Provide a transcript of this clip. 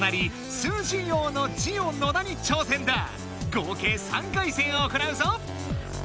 合計３回戦行うぞ！